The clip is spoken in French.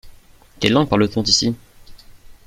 Quelle langue parle-t-on ici ?